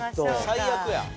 最悪や。